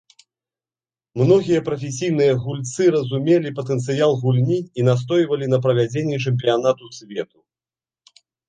Многія прафесійныя гульцы разумелі патэнцыял гульні і настойвалі на правядзенні чэмпіянату свету.